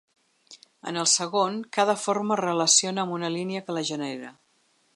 En el segon, cada forma es relaciona amb una línia que la genera.